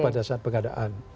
pada saat pengadaan